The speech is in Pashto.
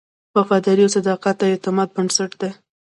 وفاداري او صداقت د اعتماد بنسټ دی.